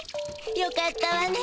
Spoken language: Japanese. よかったわね。